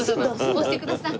押してください。